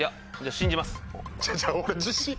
信じます。